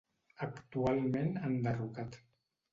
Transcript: Actualment enderrocat.